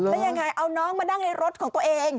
แล้วยังไงเอาน้องมานั่งในรถของตัวเอง